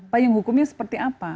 payung hukumnya seperti apa